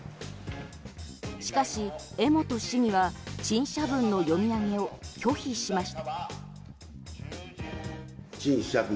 しかし、江本市議は陳謝文の読み上げを拒否しました。